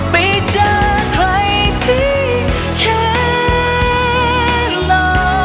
ปิดเจอใครที่แค่